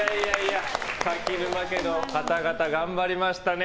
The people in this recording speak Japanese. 柿沼家の方々、頑張りましたね。